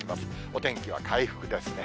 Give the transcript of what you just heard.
お天気は回復ですね。